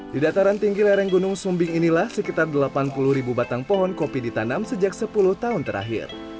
di dataran tinggi lereng gunung sumbing inilah sekitar delapan puluh ribu batang pohon kopi ditanam sejak sepuluh tahun terakhir